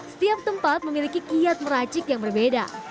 setiap tempat memiliki kiat meracik yang berbeda